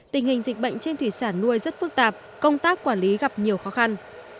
tình hình dịch bệnh trên thủy sản nuôi rất phức tạp công tác quản lý gặp nhiều khó khăn